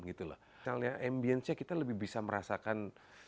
misalnya ambience nya kita lebih bisa merasakan